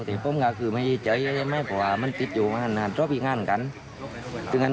แต่ผมก็คือไม่เจ๋ยไม่ควรมันติดอยู่กับศพอีกหน้าเหมือนกัน